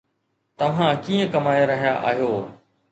توهان ڪئين ڪمائي رهيا آهيو؟